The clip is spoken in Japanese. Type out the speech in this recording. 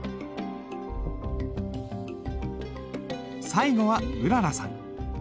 最後はうららさん。